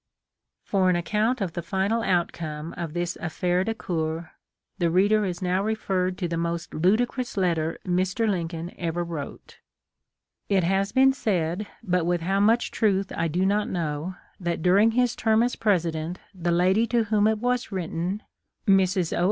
For an account of the final outcome of this affaire du coeur the reader is now referred to the most ludicrous letter Mr. Lincoln ever wrote. It has been said, but with how much truth I do not know, that during his term as President the lady to 1 56 THE LIFE OF LINCOLN. whom it was written — Mrs. O.